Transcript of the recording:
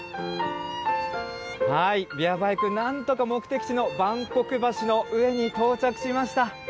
ビアバイク、なんとか目的地の万国橋の上に到着しました。